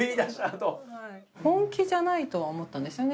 本気じゃないとは思ったんですよね。